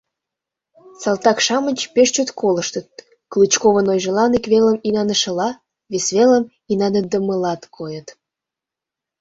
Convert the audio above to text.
Салтак-шамыч пеш чот колыштыт, Клычковын ойжылан ик велым инанышыла, вес велым инаныдымылат койыт.